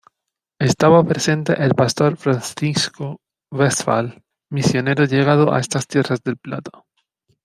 Estaba presente el Pastor Francisco Westphal, misionero llegado a estas tierras del Plata.